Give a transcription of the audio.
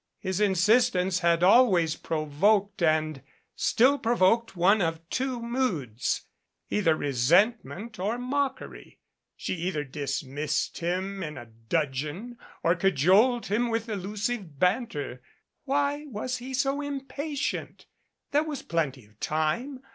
His insistence had always provoked and still provoked one of two moods either resentment or mockery. She either dismissed him in a dudgeon or cajoled him with elusive banter. Why was he so impatient? There was plenty of time?